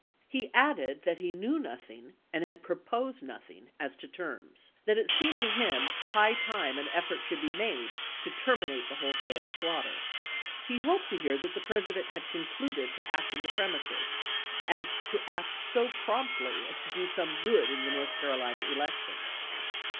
He added that he knew nothing and had proposed nothing as to terms ; that it seemed to him high time an effort should be made to terminate the wholesale slaughter. He hoped to hear that the President had concluded to act in the toGL? Sn, premises, and to act so promptly as to do some isgi/ms. good in the North Carolina elections.